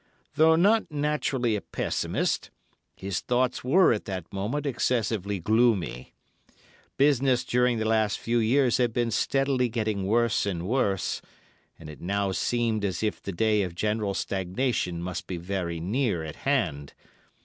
Though not naturally a pessimist, his thoughts were at that moment excessively gloomy; business during the past few years had been steadily getting worse and worse, and it now seemed as if the day of general stagnation must be very near at hand.